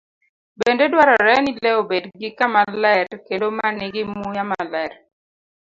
Bende dwarore ni le obed gi kama ler kendo ma nigi muya maler.